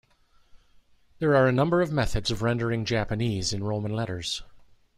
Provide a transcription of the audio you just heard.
There are a number of methods of rendering Japanese in Roman letters.